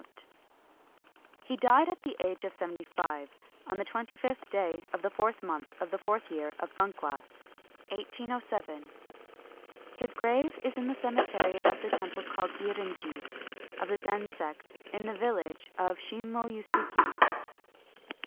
^ He died at the age of seventy five, on the twenty fifth day of the fourth month of the fourth year of Bunkwa . His grave is in the cemetery of the temple called Eirin ji, of the Zen sect, in the village of Shimo Yusuki.